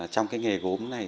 trong cái nghề gốm này